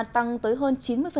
tăng tới hơn chín mươi